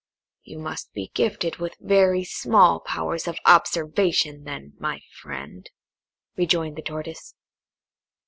"You must be gifted with very small powers of observation then, my friend," rejoined the Tortoise.